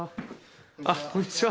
あっこんにちは。